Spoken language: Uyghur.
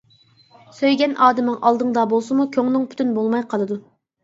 سۆيگەن ئادىمىڭ ئالدىڭدا بولسىمۇ كۆڭلۈڭ پۈتۈن بولماي قالىدۇ.